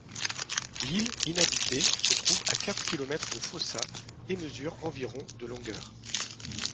L'île, inhabitée, se trouve à quatre kilomètres de Foça et mesure environ de longueur.